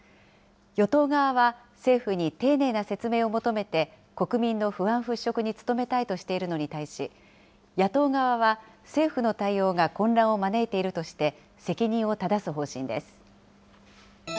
与党側は政府に丁寧な説明を求めて、国民の不安払拭に努めたいとしているのに対し、野党側は政府の対応が混乱を招いているとして、責任をただす方針です。